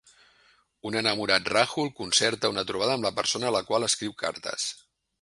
Un enamorat Rahul concerta una trobada amb la persona a la qual escriu cartes.